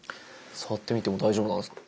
触ってみても大丈夫なんですか？